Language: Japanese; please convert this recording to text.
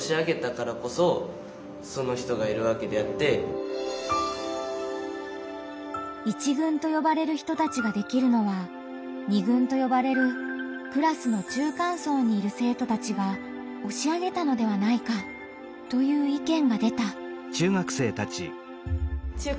庶民というか１軍とよばれる人たちができるのは２軍とよばれるクラスの中間層にいる生徒たちが押し上げたのではないかという意見が出た。